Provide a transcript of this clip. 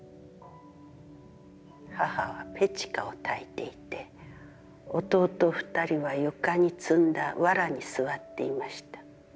母はペチカを焚いていて、弟二人は床に積んだ藁に座っていました。